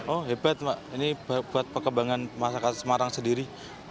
oh hebat ini buat pengembangan masyarakat semarang sendiri